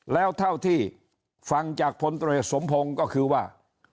แล้วเท่าที่ฟังจากพลตรวจสมพงศ์ก็คือว่า